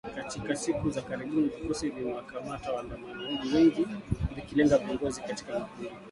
Katika siku za karibuni vikosi vimewakamata waandamanaji wengi vikilenga viongozi katika makundi pinzani